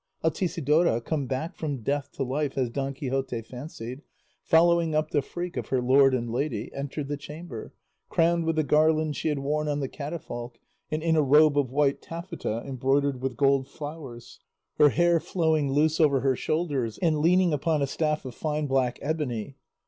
Altisidora, come back from death to life as Don Quixote fancied, following up the freak of her lord and lady, entered the chamber, crowned with the garland she had worn on the catafalque and in a robe of white taffeta embroidered with gold flowers, her hair flowing loose over her shoulders, and leaning upon a staff of fine black ebony.